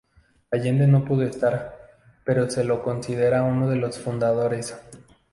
Allende no pudo estar, pero se lo considera uno de los fundadores.